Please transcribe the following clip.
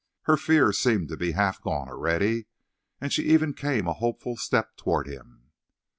Her fear seemed to be half gone already, and she even came a hopeful step toward him.